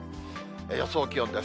予想気温です。